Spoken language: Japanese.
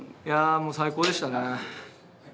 いやもう最高でしたね。